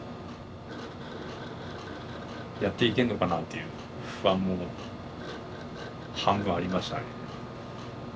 やっていけんのかなという不安も半分ありましたね。